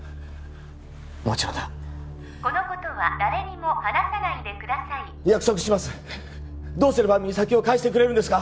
もちろんだこのことは誰にも話さないでください約束します